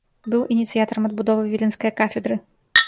Быў ініцыятарам адбудовы віленскае кафедры.